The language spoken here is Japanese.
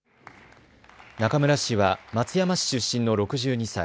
中村氏は松山市出身の６２歳。